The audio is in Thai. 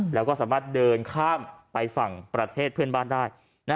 แล้วก็สามารถเดินข้ามไปฝั่งประเทศเพื่อนบ้านได้